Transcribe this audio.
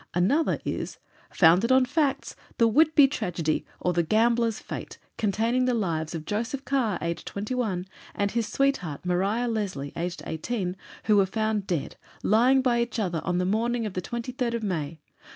Another is "Founded on facts The Whitby Tragedy, or the Gambler's Fate, containing the lives of Joseph Carr, aged 21, and his sweetheart, Maria Leslie, aged 18, who were found dead, lying by each other on the morning of the 23rd of May.